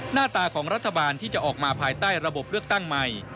หน้าตาของรัฐบาลที่จะออกมาภายใต้ระบบเลือกตั้งใหม่